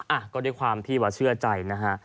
อ่ะก็ด้วยความที่ว่าเชื่อใจนะฮะ